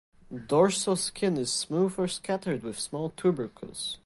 Dorsal skin is smooth or scattered with small tubercles.